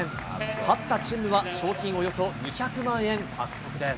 勝ったチン・ムは賞金およそ２００万円獲得です。